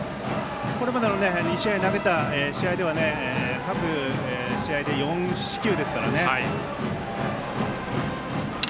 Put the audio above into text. これまでの２試合投げた試合では各試合で４四死球ですからね。